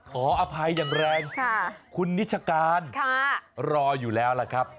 ขออภัยอย่างแรงคุณนิชการรออยู่แล้วล่ะครับ